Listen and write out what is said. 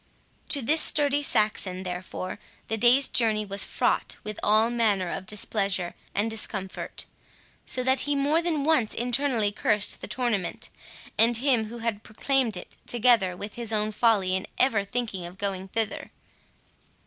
To this sturdy Saxon, therefore, the day's journey was fraught with all manner of displeasure and discomfort; so that he more than once internally cursed the tournament, and him who had proclaimed it, together with his own folly in ever thinking of going thither.